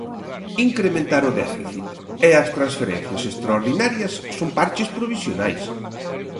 Incrementar o déficit e as transferencias extraordinarias son parches provisionais.